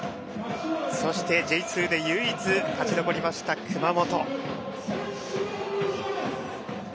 そしてＪ２で唯一、勝ち残りました熊本。